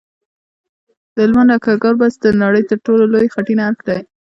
د هلمند لښکرګاه بست د نړۍ تر ټولو لوی خټین ارک دی